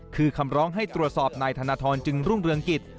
คือคำร้องให้ตรวจสอบนายธนทรจึงรุ่งเรืองกิจ